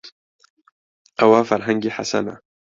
ئەوە فەرهەنگی حەسەنە.